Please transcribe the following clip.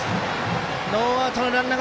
ノーアウトのランナー。